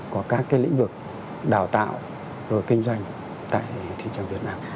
của các cái lĩnh vực đào tạo rồi kinh doanh tại thị trường việt nam